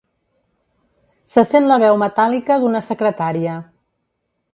Se sent la veu metàl·lica d'una secretària.